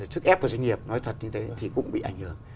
sức ép của doanh nghiệp nói thật như thế thì cũng bị ảnh hưởng